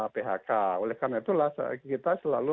phk oleh karena itulah kita selalu